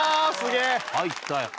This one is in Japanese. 入ったよ。